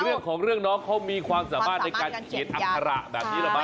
เรื่องของเรื่องน้องเขามีความสามารถในการเขียนอัคระแบบนี้เหรอมั